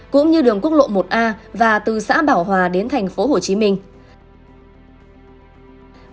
cũng như đường quốc lộ một a và từ xã bảo hòa đến thành phố hồ chí minh